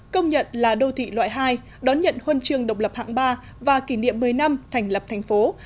công nhận là đô thị loại hai đón nhận huân trường độc lập hạng ba và kỷ niệm một mươi năm thành lập thành phố hai nghìn tám hai nghìn một mươi tám